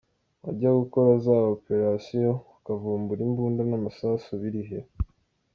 “Wajyaga ukora za operations ukavumbura imbunda n’amasasu, biri he ?”